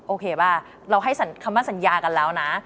โอเคป่ะเราให้คำว่าสัญญากันแล้วนะ